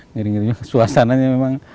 ngeri ngeri suasananya memang